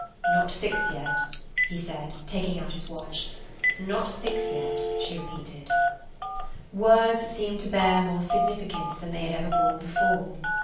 "Not six yet," he said, taking out his watch. "Not six yet," she repeated. Words seemed to bear more significance [Page 76] than they had ever borne before.